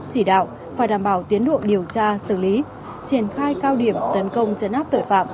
chỉ đạo phải đảm bảo tiến độ điều tra xử lý triển khai cao điểm tấn công chấn áp tội phạm